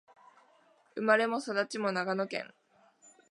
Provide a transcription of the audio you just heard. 生まれも育ちも長野県